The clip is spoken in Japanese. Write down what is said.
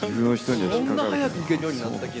そんな早く行けるようになったっけ？